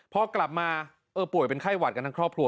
พอกลับมาเออป่วยเป็นไข้หวัดกันทั้งครอบครัว